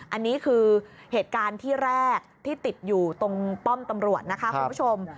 อันนี้คือเหตุการณ์ที่แรกที่ติดอยู่ตรงป้อมตำรวจนะคะคุณผู้ชม